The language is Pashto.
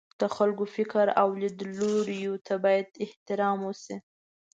د خلکو فکر او لیدلوریو ته باید احترام وشي.